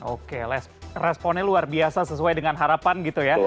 oke responnya luar biasa sesuai dengan harapan gitu ya